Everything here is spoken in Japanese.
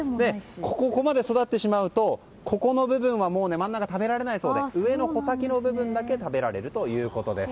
ここまで育ってしまうと真ん中の部分は食べられないそうで上の穂先の部分だけ食べられるということです。